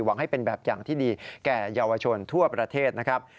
ให้เป็นแบบอย่างที่ดีแก่เยาวชนทั่วประเทศนะครับ